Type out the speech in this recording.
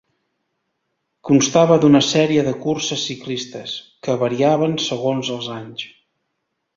Constava d'una sèrie de curses ciclistes, que variaven segons els anys.